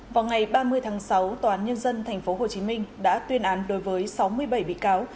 vào ngày ba mươi tháng sáu tòa án nhân dân tp hcm đã tuyên án đối với sáu mươi bảy bị cáo